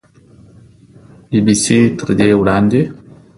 بي بي سي تر دې وړاندې